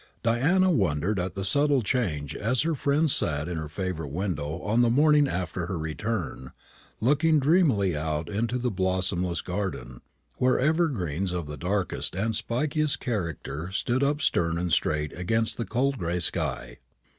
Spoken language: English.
Diana wondered at the subtle change as her friend sat in her favourite window on the morning after her return, looking dreamily out into the blossomless garden, where evergreens of the darkest and spikiest character stood up stern and straight against the cold gray sky.